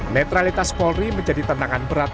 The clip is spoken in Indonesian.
netralitas polri menjadi tantangan berat